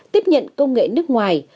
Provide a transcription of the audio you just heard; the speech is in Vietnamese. tiếp nhận công nghệ nước ngoài